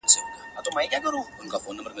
• توره تر ملا کتاب تر څنګ قلم په لاس کي راځم ,